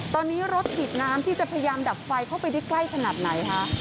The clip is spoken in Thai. ตอนนี้รถฉีดน้ำที่จะพยายามดับไฟเข้าไปได้ใกล้ขนาดไหนคะ